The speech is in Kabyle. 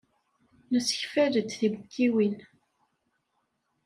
Nessekfal-d tiwekkiwin.